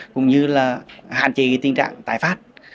cũng như là hạn chế tình trạng tái phát